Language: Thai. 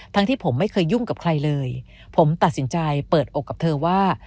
ที่ผมไม่เคยยุ่งกับใครเลยผมตัดสินใจเปิดอกกับเธอว่า